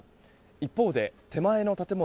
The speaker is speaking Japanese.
一方で手前の建物